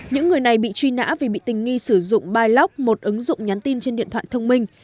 những người này bị truy nã vì bị tình nghi sử dụng block một ứng dụng nhắn tin trên điện thoại thông minh